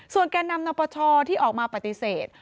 ส่วนแก่นำนับประชาที่ออกมาปฏิเสธ